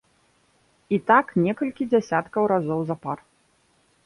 І так некалькі дзясяткаў разоў запар.